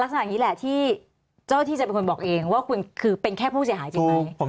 อย่างนี้แหละที่เจ้าที่จะเป็นคนบอกเองว่าคุณคือเป็นแค่ผู้เสียหายจริงไหม